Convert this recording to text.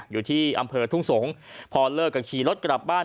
อยู่ที่อำเภอทุ่งสงศ์พอเลิกกับขี่รถกลับบ้าน